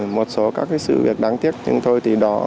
thế còn một số các cái sự việc đáng tiếc nhưng thôi thì đó